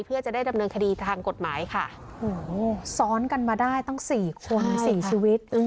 เพื่อจะได้ดำเนินคดีทางกฎหมายค่ะซ้อนกันมาได้ตั้งสี่คนสี่ชีวิต